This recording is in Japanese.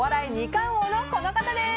冠王のこの方です。